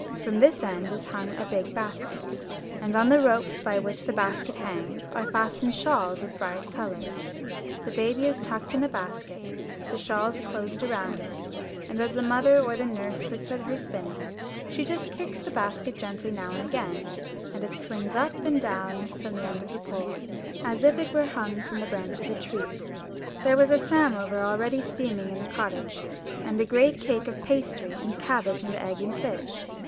From this end is hung a big basket, and on the ropes by which the basket hangs are fastened shawls of bright 228 UP ONE PAIR OF STAIRS colours. The baby is tucked in the basket, the shawls closed round it, and as the mother or the nurse sits at her spinning, she just kicks the basket gently now and again, and it swings up and down from the end of the pole, as if it were hung from the branch of a tree. There was a samovar already steaming in the cottage, and a great cake of pastry, and cabbage, and egg, and fish.